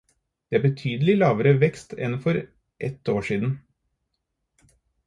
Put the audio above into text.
Det er betydelig lavere vekst enn for et år siden.